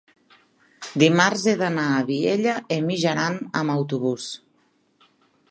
dimarts he d'anar a Vielha e Mijaran amb autobús.